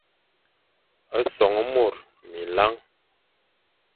Son môr minlañ,